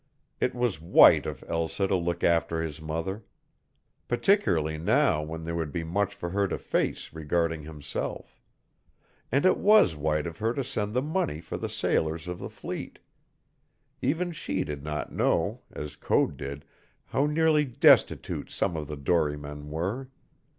It was white of Elsa to look after his mother, particularly now when there would be much for her to face regarding himself. And it was white of her to send the money for the sailors of the fleet. Even she did not know, as Code did, how nearly destitute some of the dorymen were.